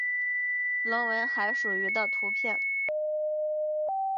隆吻海蠋鱼的图片